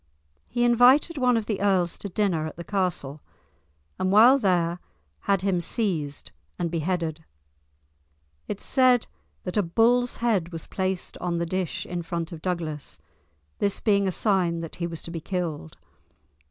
He invited one of the earls to dinner at the castle, and while there had him seized and beheaded. It is said that a bull's head was placed on the dish in front of Douglas, this being a sign that he was to be killed.